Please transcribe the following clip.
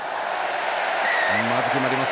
まず決まります。